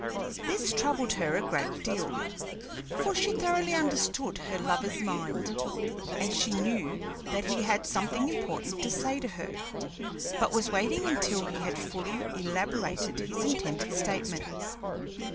This troubled her a great deal, for she thoroughly understood her lover's mind, and she knew that he had something important to say to her, but was waiting until he had fully elaborated his intended statement.